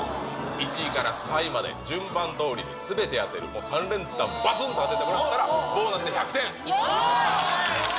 １位から３位まで順番どおりにすべて当てると、３連単ばずんと当ててもらったらボーナスで１００点。